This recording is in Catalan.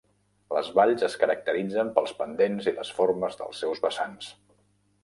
Les valls es caracteritzen pels pendents i les formes dels seus vessants.